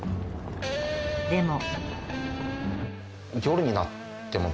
でも。